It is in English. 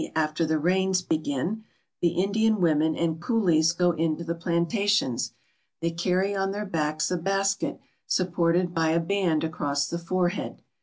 after the rains begin, the Indian women and coolies go into the plantations. They carry on their backs a basket supported by a band across the forehead.